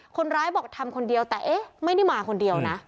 คนร้ายบอกทำคนเดียวแต่เอ๊ะไม่ได้มาคนเดียวนะ